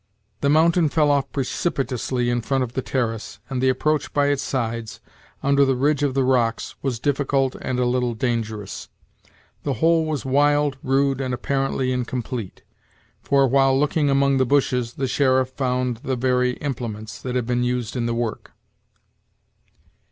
The mountain fell off precipitously in front of the terrace, and the approach by its sides, under the ridge of the rocks, was difficult and a little dangerous. The whole was wild, rude, and apparently incomplete; for, while looking among the bushes, the sheriff found the very implements that had been used in the work.